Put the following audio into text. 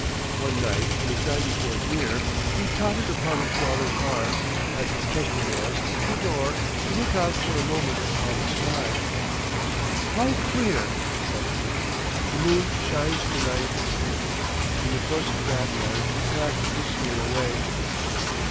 One night, in his ninety fourth year, he tottered upon his daughter's arm, as his custom was, to the door, to look out for a moment upon the sky. "How clear," said he, "the moon shines to night." In the course of that night he passed peacefully away.